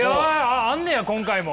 あんねや今回も。